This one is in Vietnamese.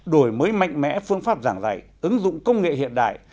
đổi mới mạnh mẽ phương pháp giảng dạy ứng dụng công nghệ hiện đại